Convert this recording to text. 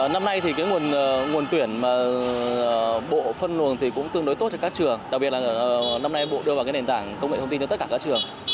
năm nay thì nguồn tuyển bộ phân luồng cũng tương đối tốt cho các trường đặc biệt là năm nay bộ đưa vào nền tảng công nghệ thông tin cho tất cả các trường